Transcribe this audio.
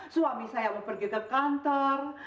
suami saya mau pergi ke kantor